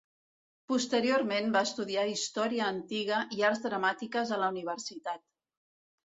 Posteriorment va estudiar història antiga i arts dramàtiques a la universitat.